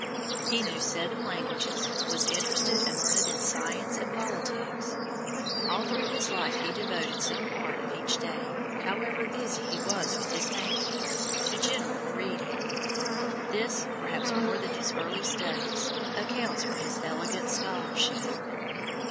He knew seven languages, was interested and learned in science and politics. All through his life he devoted some part of each day, however busy he was with his painting, to general reading. This, perhaps more than his early studies, accounts for his elegant scholarship.